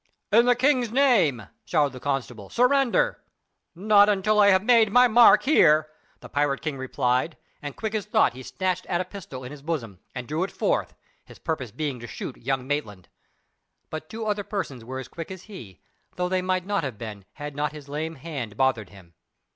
"In the king's name," shouted the constable, "surrender!" "Not until I have made my mark here," the pirate chief replied; and quick as thought he snatched at a pistol in his bosom, and drew it forth, his purpose being to shoot young Maitland. But two other persons were as quick as he; though they might not have been had not his lame hand bothered him.